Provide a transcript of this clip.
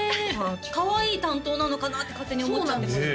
かわいい担当なのかなって勝手に思っちゃってました